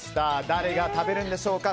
誰が食べられるのでしょうか。